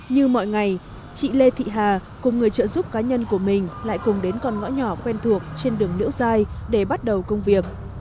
như mọi ngày chị lê thị hà cùng người trợ giúp cá nhân của mình lại cùng đến con ngõ nhỏ quen thuộc trên đường liễu giai để bắt đầu công việc